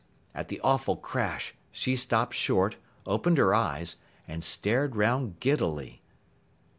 At the awful crash, she stopped short, opened her eyes, and stared 'round giddily.